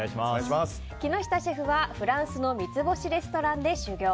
木下シェフは、フランスの三つ星レストランで修業。